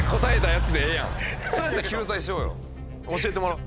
教えてもらおう。